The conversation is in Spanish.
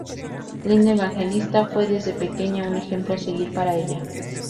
Linda Evangelista fue, desde pequeña un ejemplo a seguir para ella.